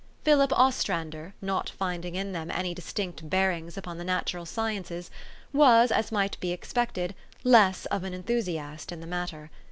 Philip Ostrander, not finding in them any distinct bearings upon the natural sciences, was, as might be expected, less of an enthusiast in the mat ter.